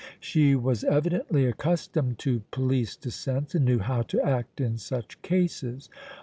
She was evidently accustomed to police descents and knew how to act in such cases.